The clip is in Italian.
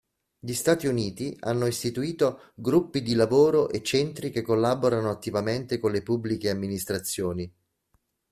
Gli Stati Uniti hanno istituito gruppi di lavoro e centri che collaborano attivamente con le Pubbliche Amministrazioni.